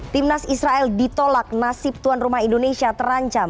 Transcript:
timnas israel ditolak nasib tuan rumah indonesia terancam